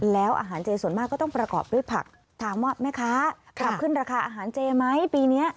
แล้วอาหารเจส่วนมากก็ต้องประกอบด้วยผักถามว่าแม่ค้าปรับขึ้นราคาอาหารเจไหมปีนี้